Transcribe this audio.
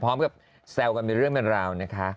พร้อมกับแซวกันเวลานะคะ